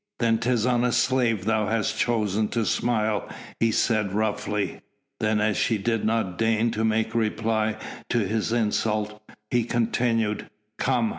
"Then 'tis on a slave thou hast chosen to smile," he said roughly. Then as she did not deign to make reply to this insult, he continued: "Come!